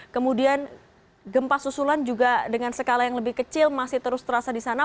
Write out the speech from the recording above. kemudian gempa susulan juga dengan skala yang lebih kecil masih terus terasa di sana